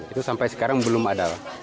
itu sampai sekarang belum ada